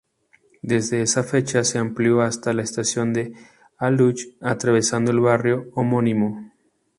Desde esa fecha se amplió hasta la estación de Aluche atravesando el barrio homónimo.